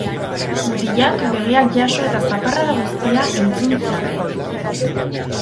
Mutilak begiak jaso eta zaparrada guztia entzun zuen.